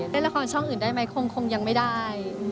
เล่นละครช่องอื่นได้ไหมคงยังไม่ได้